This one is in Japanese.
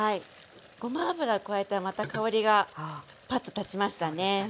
ごま油を加えたらまた香りがパッと立ちましたね。